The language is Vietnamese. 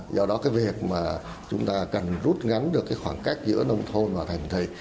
do đó cái việc mà chúng ta cần rút ngắn được cái khoảng cách giữa nông thôn và thành đô thị